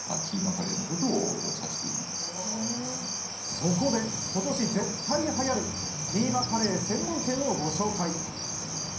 そこで今年絶対はやるキーマカレー専門店をご紹介。